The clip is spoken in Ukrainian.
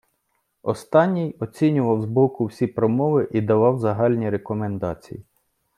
Останній оцінював з боку всі промови і давав загальні рекомендації.